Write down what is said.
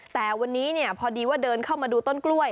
แต่วันนี้พอดีว่าเดินเข้ามาดูต้นกล้วย